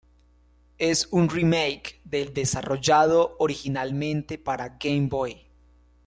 Es un remake del desarrollado originalmente para Game Boy.